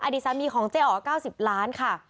ดีสามีของเจ๊อ๋อ๙๐ล้านค่ะ